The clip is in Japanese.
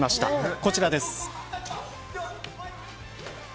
こちらです。